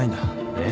えっ？